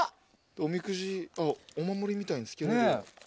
おみくじお守りみたいにつけられる。